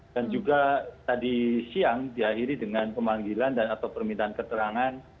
dan juga tadi siang diakhiri dengan permintaan keterangan